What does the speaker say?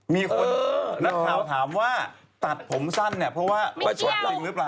มีคนนักข่าวถามว่าตัดผมสั้นเนี่ยเพราะว่าประชดจริงหรือเปล่า